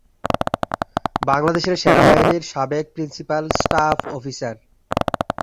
বাংলাদেশ সেনাবাহিনীর সাবেক principal staff officer.